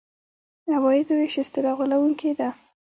عوایدو وېش اصطلاح غولوونکې ده.